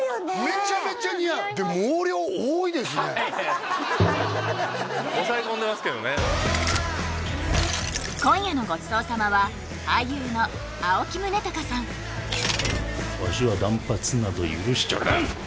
めちゃめちゃ似合うああいやいやおさえ込んでますけどね今夜のごちそう様はわしは断髪など許しちゃおらん！